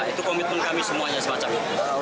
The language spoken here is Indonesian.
itu komitmen kami semuanya semacam itu